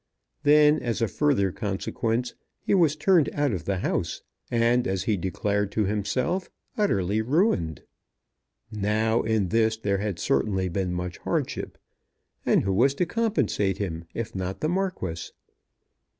Then, as a further consequence, he was turned out of the house, and, as he declared to himself, utterly ruined. Now in this there had certainly been much hardship, and who was to compensate him if not the Marquis?